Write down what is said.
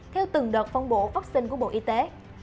theo từng đợt phong bộ vaccine của bộ y tế